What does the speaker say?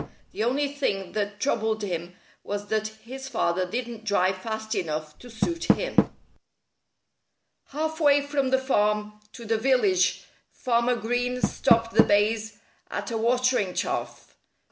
The only thing that troubled him was that his father didn't drive fast enough to suit him. Half way from the farm to the village Farmer Green stopped the bays at a watering trough.